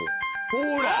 ほら！